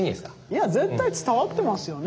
いや絶対伝わってますよね。